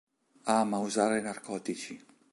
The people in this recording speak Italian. Ama usare narcotici.